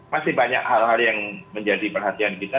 masih banyak hal hal yang menjadi perhatian kita